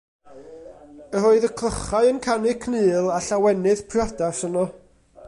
Yr oedd y clychau yn canu cnul, a llawenydd priodas yno.